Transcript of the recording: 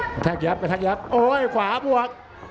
กระแทกยับกระแทกยับโอ้ยขวาบวก